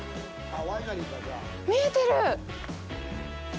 見えてる。